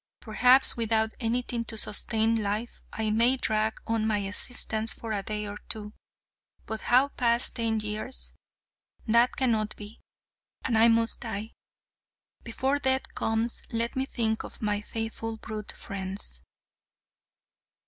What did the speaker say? Perhaps without anything to sustain life I may drag on my existence for a day or two. But how pass ten years? That cannot be, and I must die. Before death comes let me think of my faithful brute friends."